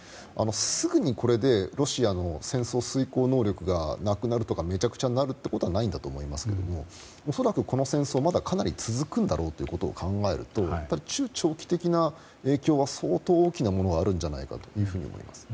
すぐに、これでロシアの戦争遂行能力がなくなるとかめちゃくちゃになるということはないんだと思いますが恐らく、この戦争まだかなり続くんだろうと考えると、中長期的な影響は相当、大きなものがあるんじゃないかと思います。